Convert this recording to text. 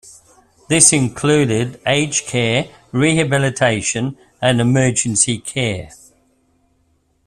This included aged care rehabilitation and emergency care.